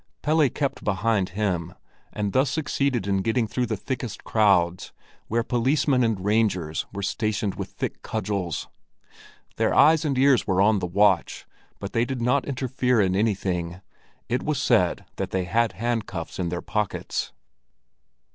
Pelle kept behind him, and thus succeeded in getting through the thickest crowds, where policemen and rangers were stationed with thick cudgels. Their eyes and ears were on the watch, but they did not interfere in anything. It was said that they had handcuffs in their pockets.